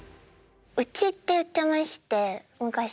「うち」って言ってまして昔。